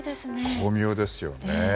巧妙ですよね。